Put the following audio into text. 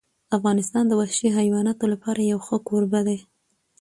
افغانستان د وحشي حیواناتو لپاره یو ښه کوربه دی.